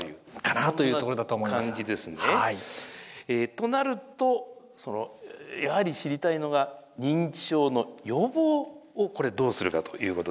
となるとやはり知りたいのが認知症の予防をこれどうするかということです。